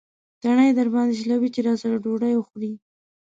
تڼۍ درباندې شلوي چې راسره ډوډۍ وخورې.